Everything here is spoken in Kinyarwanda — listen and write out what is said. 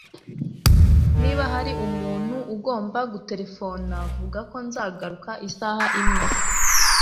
Niba hari umuntu ugomba guterefona vuga ko nzagaruka isaha imwe